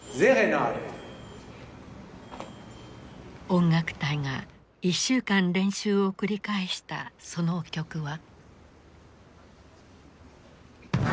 音楽隊が１週間練習を繰り返したその曲は。